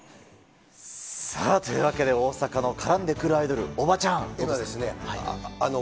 さあ、というわけで大阪の絡んでくるアイドル、オバチャーン。